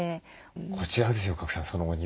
こちらですよ賀来さんそのお庭。